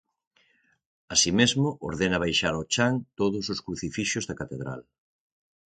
Así mesmo, ordena baixar ao chan todos os crucifixos da Catedral.